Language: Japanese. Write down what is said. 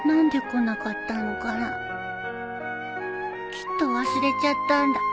きっと忘れちゃったんだ